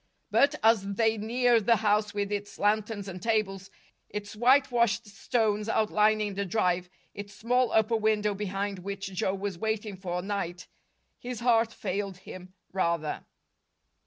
But, as they neared the house with its lanterns and tables, its whitewashed stones outlining the drive, its small upper window behind which Joe was waiting for night, his heart failed him, rather.